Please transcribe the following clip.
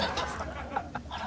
あら？